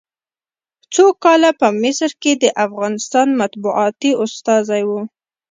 څو کاله په مصر کې د افغانستان مطبوعاتي استازی و.